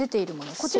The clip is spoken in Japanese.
こちら。